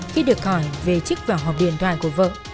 khi được hỏi về chiếc vỏ hộp điện thoại của vợ